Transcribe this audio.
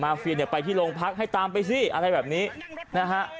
เฟียเนี่ยไปที่โรงพักให้ตามไปสิอะไรแบบนี้นะฮะ